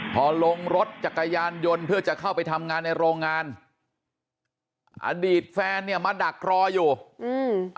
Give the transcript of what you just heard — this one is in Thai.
พอลงรถจักรยานยนต์เพื่อจะเข้าไปทำงานในโรงงานอดีตแฟนเนี้ยมาดักรออยู่อืม